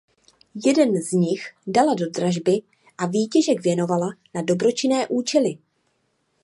Jeden z nich dala do dražby a výtěžek věnovala na dobročinné účely.